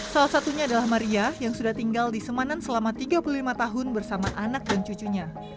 salah satunya adalah maria yang sudah tinggal di semanan selama tiga puluh lima tahun bersama anak dan cucunya